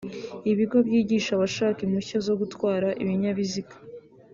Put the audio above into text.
ibigo byigisha abashaka impushya zo gutwara ibinyabiziga